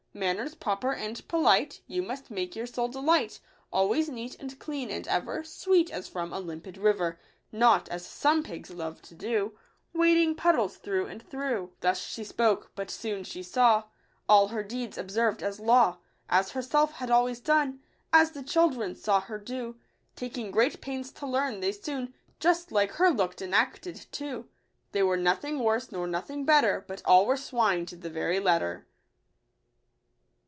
Manners proper and polite You must make your sole delight ; Always neat and clean, and ever Sweet as from a limpid river ; Not as some pigs love to do, Wading puddles through and through." Digitized by Google Thus she spoke, but soon she saw All her deeds observed as law ; As herself had always done — As the children saw her do ; Taking great pains to learn, they soon Just like her looked and acted too ! They were nothing worse nor nothing better, But all were swine to the very letter